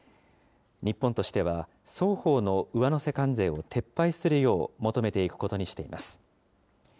日本としては、双方の上乗せ関税を撤廃するよう求めていくことにしています。